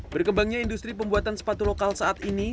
berkembangnya industri pembuatan sepatu lokal saat ini